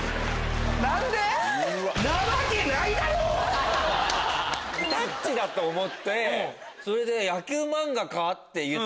何で⁉『タッチ』だと思って「野球漫画か？」って言って。